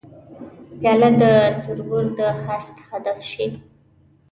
پیاله د تربور د حسد هدف شي.